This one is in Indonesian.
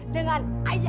dengan ayah cahaya ayah